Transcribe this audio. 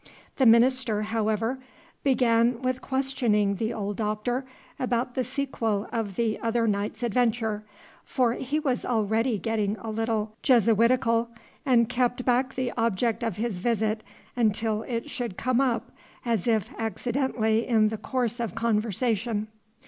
The minister, however, began with questioning the old Doctor about the sequel of the other night's adventure; for he was already getting a little Jesuitical, and kept back the object of his visit until it should come up as if accidentally in the course of conversation.